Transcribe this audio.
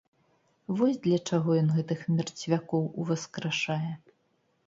Вось для чаго ён гэтых мерцвякоў уваскрашае.